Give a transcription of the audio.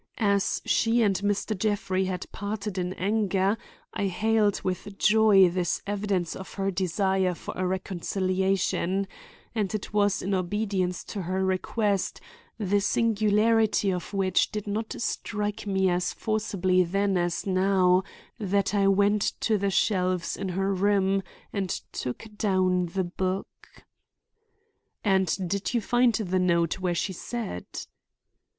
As she and Mr. Jeffrey had parted in anger, I hailed with joy this evidence of her desire for a reconciliation, and it was in obedience to her request, the singularity of which did not strike me as forcibly then as now, that I went to the shelves in her room and took down the book." "And did you find the note where she said?"